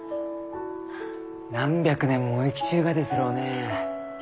何百年も生きちゅうがですろうね。